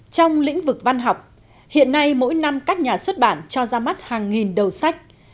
trong lĩnh vực văn học hiện nay mỗi năm các nhà xuất bản cho ra mắt hàng nghìn đầu sách